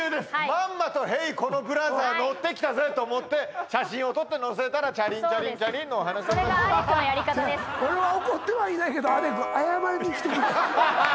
「まんまとヘイこのブラザー乗ってきたぜ」と思って写真を撮って載せたらチャリンチャリンチャリンのお話俺は怒ってはいないけどハハハ